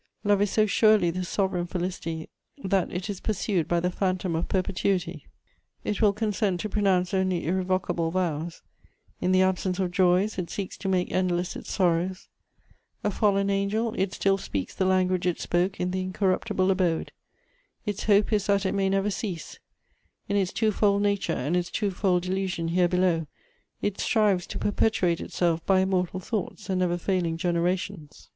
Love is so surely the sovereign felicity that it is pursued by the phantom of perpetuity; it will consent to pronounce only irrevocable vows; in the absence of joys, it seeks to make endless its sorrows; a fallen angel, it still speaks the language it spoke in the incorruptible abode; its hope is that it may never cease; in its twofold nature and its twofold illusion here below, it strives to perpetuate itself by immortal thoughts and never failing generations.